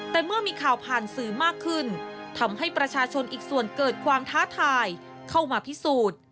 แต่เมื่อมีข่าวผ่านสื่อมากขึ้นทำให้ประชาชนอีกส่วนเกิดความท้าทายเข้ามาพิสูจน์